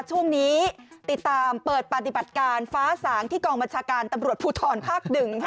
ช่วงนี้ติดตามเปิดปฏิบัติการฟ้าสางที่กองบัชการตำรวจผู้ถอนภาคหนึ่งค่ะ